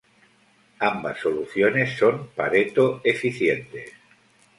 Ambas soluciones son Pareto eficientes.